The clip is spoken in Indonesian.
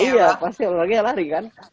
iya pasti apalagi lari kan